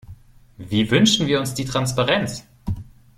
Wie wünschen wir uns die Transparenz?